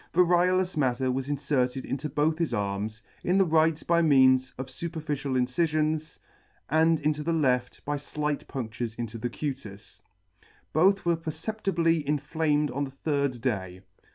Variolous matter was inferted into both his arms; in the right by means of fuperficial incifions, and into the left by flight punctures into the cutis. Both were perceptibly inflamed on the third day.